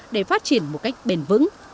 để phát triển một cách bền vững